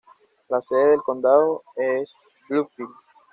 La sede del condado es Bloomfield.